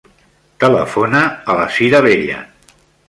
Telefona a la Cira Bella.